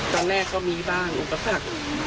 ตอนแรกก็มีบ้างอุปสรรค